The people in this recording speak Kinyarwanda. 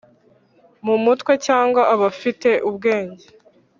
mu mutwe cyangwa abafite ubwenge